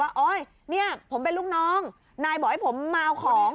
โอ๊ยเนี่ยผมเป็นลูกน้องนายบอกให้ผมมาเอาของ